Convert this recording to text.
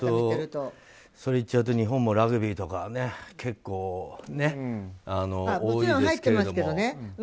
それ言っちゃうと日本もラグビーとかね結構ね、多いですけど。